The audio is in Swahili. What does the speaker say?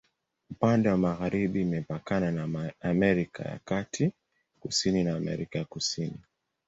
Upande wa magharibi imepakana na Amerika ya Kati, kusini na Amerika ya Kusini.